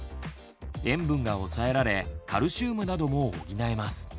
塩分がおさえられカルシウムなども補えます。